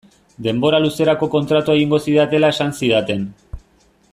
Denbora luzerako kontratua egingo zidatela esan zidaten.